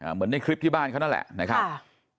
เหมือนในคลิปที่บ้านเขานั่นแหละนะครับ